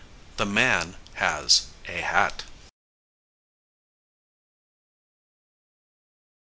The man has a hat.